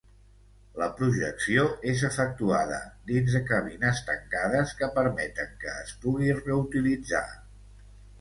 La projecció és efectuada dins cabines tancades que permeten que es pugui reutilitzar.